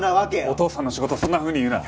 お父さんの仕事をそんなふうに言うな！